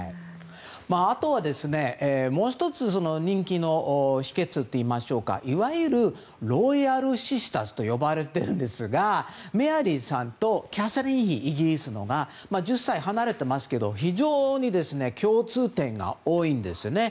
あとはもう１つ人気の秘けつといいましょうかいわゆるロイヤルシスターズと呼ばれているんですがメアリーさんとイギリスのキャサリン妃が１０歳離れていますけど非常に共通点が多いんですね。